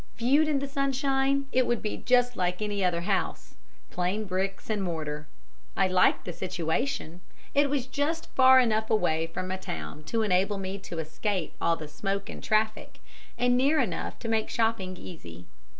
Viewed in the sunshine, it would be just like any other house plain bricks and mortar. I liked the situation; it was just far enough away from a town to enable me to escape all the smoke and traffic, and near enough to make shopping easy.